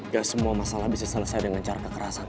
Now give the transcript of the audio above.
gak semua masalah bisa selesai dengan cara kekerasan